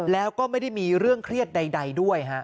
แล้วก็ไม่ได้มีเรื่องเครียดใดด้วยฮะ